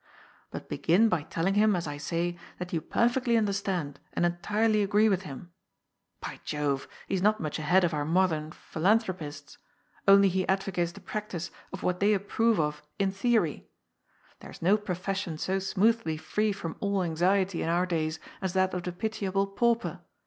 But begin by telling him, as I say, that you perfectly understand and entirely agree with him. By Jove, he is not much ahead of our modern phi THE RUBICON. 279 Isnthropists. Only he advocates the practice of what they approve of in theory. There is no profession so smoothly free from all anxiety in our days as that of the pitiable pauper.